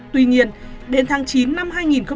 tuy nhiên đến tháng chín năm hai nghìn hai mươi ba